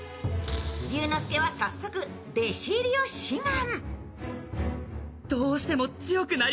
龍之介は早速、弟子入りを志願。